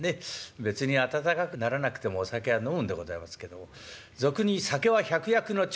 別に暖かくならなくてもお酒は飲むんでございますけども俗に「酒は百薬の長」なんてなこと言います。